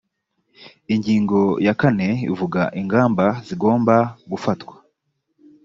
ingingo ya kane ivuga ingamba zigomba gufatwa